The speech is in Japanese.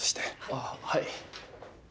あっはい。